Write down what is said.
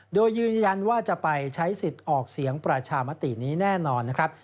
โดยยืนยันว่าจะไปใช้สิทธิ์ออกเสียงประชามตินี้แน่นอนนะครับ